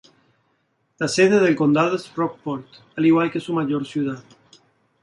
La sede del condado es Rockport, al igual que su mayor ciudad.